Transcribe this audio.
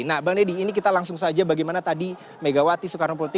nah bang deddy ini kita langsung saja bagaimana tadi megawati soekarno putri